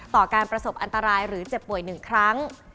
ต่อการประสบอันตรายหรือเจ็บป่วย๑ครั้ง